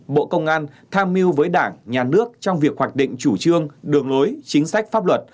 bộ công an tham mưu với đảng nhà nước trong việc hoạch định chủ trương đường lối chính sách pháp luật